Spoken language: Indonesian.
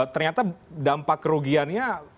ternyata dampak kerugiannya